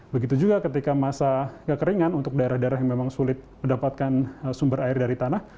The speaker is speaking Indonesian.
begitu juga ketika masa kekeringan untuk daerah daerah yang memang sulit mendapatkan sumber air dari tanah